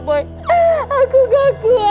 boy aku gak kuat